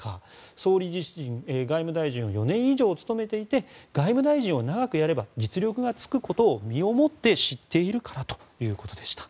総理自身外務大臣を４年以上務めていて外務大臣を長くやれば実力がつくことを身をもって知っているからということでした。